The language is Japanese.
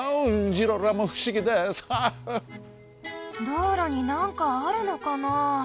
道路になんかあるのかな？